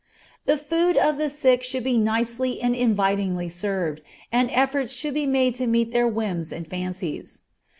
The food of the sick should be nicely and invitingly served, and efforts should be made to meet their whims and fancies.